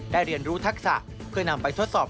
เรียนรู้ทักษะเพื่อนำไปทดสอบ